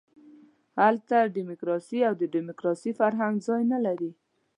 هلته ډیموکراسي او د ډیموکراسۍ فرهنګ ځای نه لري.